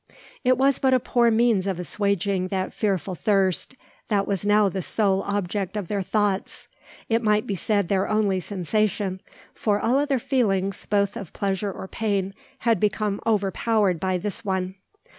It was but a poor means of assuaging that fearful thirst that was now the sole object of their thoughts, it might be said their only sensation, for all other feelings, both of pleasure or pain, had become overpowered by this one.